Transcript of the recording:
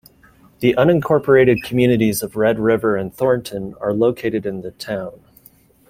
The unincorporated communities of Red River and Thornton are located in the town.